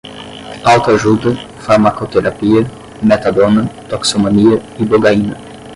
autoajuda, farmacoterapia, metadona, toxicomania, ibogaína